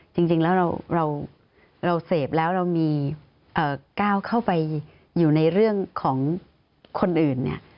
จริงแล้วเราเสพแล้วเรามีก้าวเข้าไปอยู่ในเรื่องของคนอื่นเนี่ย